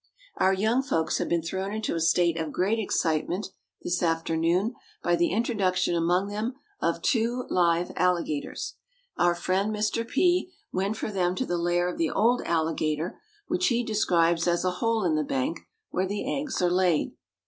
Our young folks have been thrown into a state of great excitement this afternoon by the introduction among them of two live alligators. Our friend Mr. P went for them to the lair of the old alligator, which he describes as a hole in the bank, where the eggs are laid.